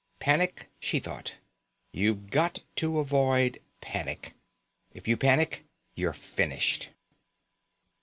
Panic, she thought. You've got to avoid panic. If you panic, you're finished....